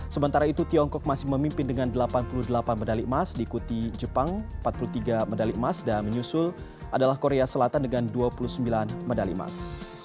sementara itu tiongkok masih memimpin dengan delapan puluh delapan medali emas diikuti jepang empat puluh tiga medali emas dan menyusul adalah korea selatan dengan dua puluh sembilan medali emas